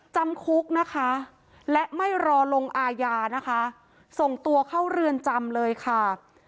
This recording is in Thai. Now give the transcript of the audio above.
จำคุกนะคะและไม่รอลงอาญานะคะส่งตัวเข้าเรือนจำเลยค่ะ